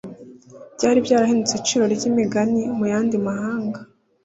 byari byarahindutse iciro ry’imigani mu yandi mahanga.